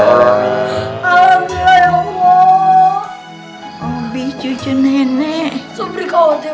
tetapi dengan sumber dadah